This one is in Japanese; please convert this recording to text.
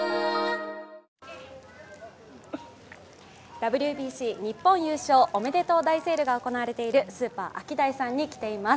ＷＢＣ日本優勝おめでとう大セールが行われているスーパーアキダイさんに来ています。